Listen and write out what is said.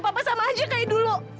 papa sama aja kayak dulu